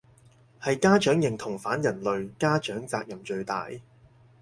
係家長認同反人類，家長責任最大